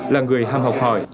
là người ham học hỏi